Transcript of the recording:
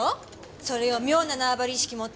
それを妙な縄張り意識持って。